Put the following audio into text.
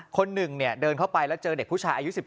คนหนึ่งเดินเข้าไปแล้วเจอเด็กผู้ชายอายุ๑๓